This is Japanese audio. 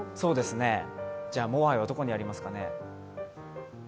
モアイはどこにありますかね？